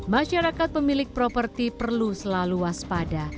masyarakat pemilik properti perlu selalu waspada